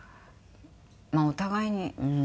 まあお互いにうーん。